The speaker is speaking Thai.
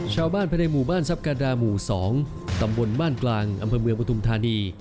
ชาวบ้านภายในหมู่บ้านทรัพกาดาหมู่๒ตำบลบ้านกลางอำเภอเมืองปฐุมธานี